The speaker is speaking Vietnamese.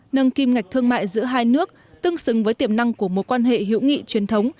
nâng kim ngạch thương mại giữa hai nước tương xứng với tiềm năng của mối quan hệ hữu nghị truyền thống